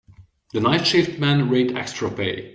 The night shift men rate extra pay.